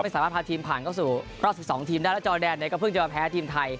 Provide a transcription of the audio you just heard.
สามารถพาทีมผ่านเข้าสู่รอบ๑๒ทีมได้แล้วจอแดนเนี่ยก็เพิ่งจะมาแพ้ทีมไทย